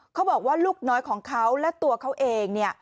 เขาบอกว่าลูกน้อยของเขาและตัวเขาเองเนี่ย